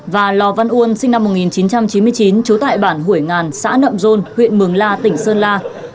và lò văn uôn sinh năm một nghìn chín trăm chín mươi chín trú tại bản hủy ngàn xã nậm rôn huyện mường la tỉnh sơn la